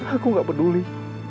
aku tidak peduli